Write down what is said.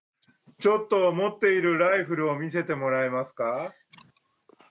持っているライフルを見せてもらえますか。